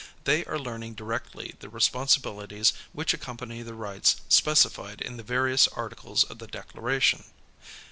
They are learning directly the responsibilities which accompany the rights specified in the various Articles of the Declaration.